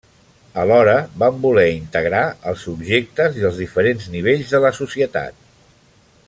Alhora van voler integrar els subjectes i els diferents nivells de la societat.